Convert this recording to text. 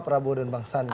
prabowo dan bang sandi